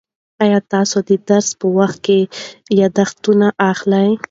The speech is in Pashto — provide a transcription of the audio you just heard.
آیا تاسو د درس په وخت کې یادښتونه اخلئ؟